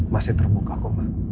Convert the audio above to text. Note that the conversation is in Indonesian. masih terbuka kok ma